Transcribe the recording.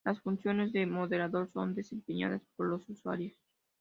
Las funciones de moderador son desempeñadas por los usuarios.